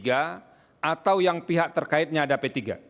atau yang pihak terkaitnya ada p tiga